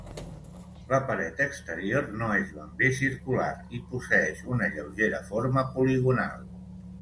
La paret exterior no és ben bé circular, i posseeix una lleugera forma poligonal.